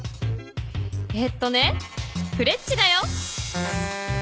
えっとねフレッチだよ。